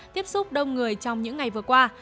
tiếp xúc đông người trong những ngày vừa qua